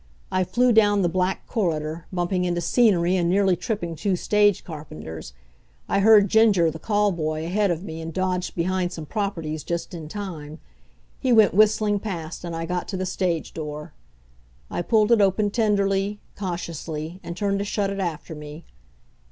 I flew down the black corridor, bumping into scenery and nearly tripping two stage carpenters. I heard Ginger, the call boy, ahead of me and dodged behind some properties just in time. He went whistling past and I got to the stage door. I pulled it open tenderly, cautiously, and turned to shut it after me.